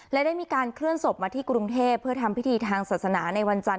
และได้มีการเคลื่อนศพมาที่กรุงเทพเพื่อทำพิธีทางศาสนาในวันจันท